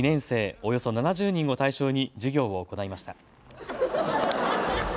およそ７０人を対象に授業を行いました。